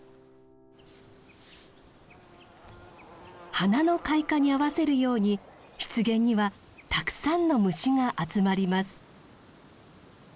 花の開花に合わせるように湿原にはたくさんの虫が集まります。